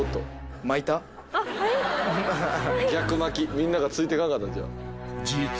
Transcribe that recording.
みんなが着いてかんかったんちゃう？